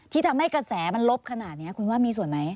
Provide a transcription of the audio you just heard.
ทำให้กระแสมันลบขนาดนี้คุณว่ามีส่วนไหม